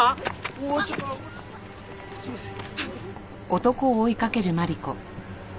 おおっちょっとすいません。